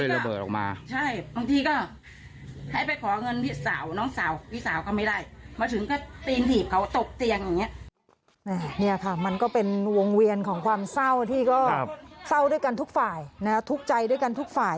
นี่ค่ะมันก็เป็นวงเวียนของความเศร้าที่ก็เศร้าด้วยกันทุกฝ่าย